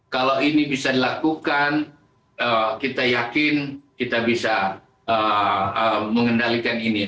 kalau ini bisa dilakukan kita yakin kita bisa mengendalikan ini